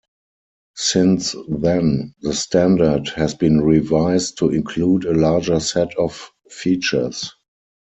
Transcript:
Since then, the standard has been revised to include a larger set of features.